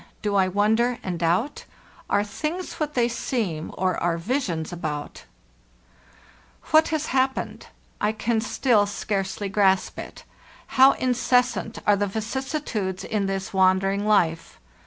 Do | wonder and doubt? Are things what they seem? Or are visions about ?' What has happened? I can still scarcely grasp it. How incessant are the vicissitudes in this wandering life!